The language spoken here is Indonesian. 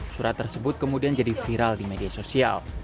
surat tersebut kemudian jadi viral di media sosial